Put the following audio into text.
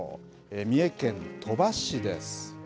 三重県鳥羽市です。